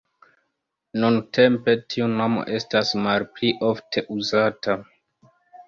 Nuntempe tiu nomo estas malpli ofte uzata.